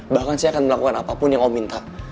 bahkan saya akan melakukan apapun yang kau minta